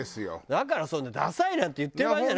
だから「ダサい」なんて言ってる場合じゃないのよ。